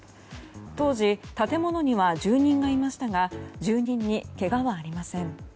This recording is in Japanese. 当時、建物には住人がいましたが住人にけがはありません。